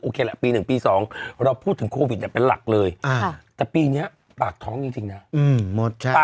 โอเคละปีหนึ่งปีสองเราพูดถึงโควิตเป็นหลักเลยแต่ปีเนี้ยบอกท้องยังหรือ